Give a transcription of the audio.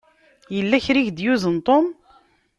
Yella kra i ak-d-yuzen Tom.